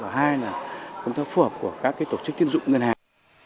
và hai là công tác phù hợp của các tổ chức tiên dụng ngân hàng